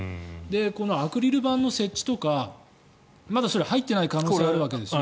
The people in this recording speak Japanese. このアクリル板の設置とかまだそれは入っていない可能性があるわけですよね。